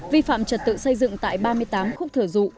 vi phạm trật tự xây dựng tại ba mươi tám khúc thở dụ